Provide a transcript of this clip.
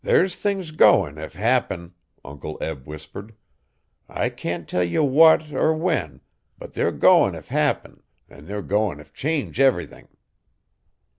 'There's things goin' to happen,' Uncle Eb whispered. 'I can't tell ye what er when, but they're goin' to happen an' they're goin' to change everything.